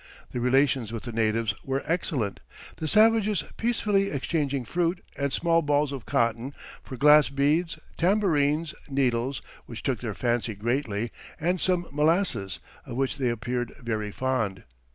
The relations with the natives were excellent, the savages peacefully exchanging fruit, and small balls of cotton for glass beads, tambourines, needles, which took their fancy greatly, and some molasses, of which they appeared very fond.